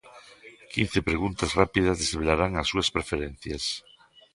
Quince preguntas rápidas desvelarán as súas preferencias.